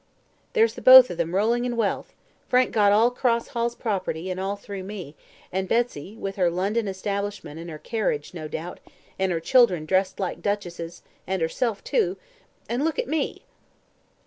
"There's the both of them rolling in wealth. Frank got all Cross Hall's property, and all through me; and Betsy, with her London establishment and her carriage, no doubt, and her children dressed like duchesses, and herself, too and look at me!"